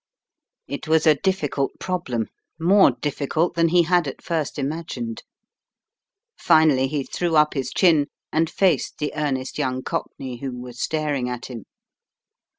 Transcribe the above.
It was a difficult problem, more difficult than he had at first imagined. The Woman in the Case 141 Finally he threw up his chin and faced the earnest young Cockney who was staring at him.